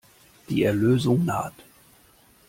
Die Erlösung naht.